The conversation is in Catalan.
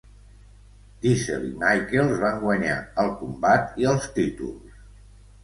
Diesel i Michaels van guanyar el combat i els títols.